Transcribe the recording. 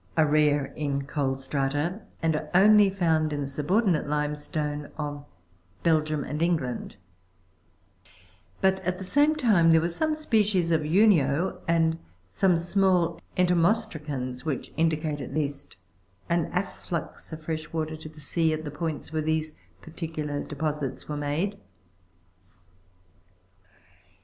COAL FORMATION. 45 17. Marine shells are rare in coal strata, and are only found in the subordinate limestone of Belgium and England ; but at the same time there were some species of unio and some small ento mostracans Avhich indicate at least an afflux of fresh water to the sea at the points where these particular deposits were made.